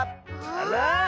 あら！